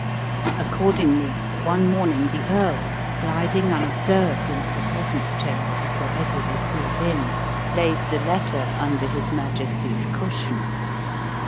Accordingly, one morning the earl, gliding unobserved into the presence chamber before Edward was brought in, laid the letter under his majesty's cushion.